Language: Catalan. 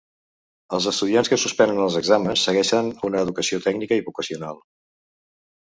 Els estudiants que suspenen els exàmens segueixen una educació tècnica i vocacional.